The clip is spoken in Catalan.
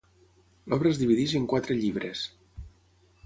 L'obra es divideix en quatre llibres.